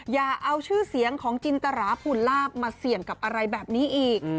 อย่าเอาชื่อเสียงของจินตราภูลาภมาเสี่ยงกับอะไรแบบนี้อีก